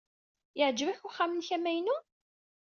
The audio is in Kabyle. Yeɛjeb-ak uxxam-nnek amaynu?